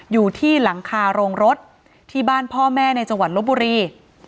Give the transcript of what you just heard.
อยู่ที่หลังคาโรงรถที่บ้านพ่อแม่ในจังหวัดลบบุรี